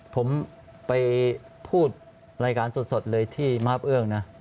ผมไปพูดรายการสดเลยที่มาบเอื้องนะ